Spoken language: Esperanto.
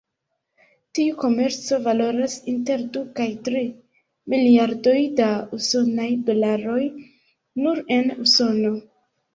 Tiu komerco valoras inter du kaj tri miliardoj da usonaj dolaroj nur en Usono.